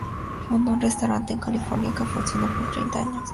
Fundó un restaurant en California que funcionó por treinta años.